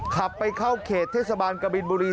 ขับไปเข้าเขตเทศบาลกบินบุรี